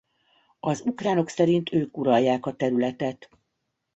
Az ukránok szerint ők uralják a területet.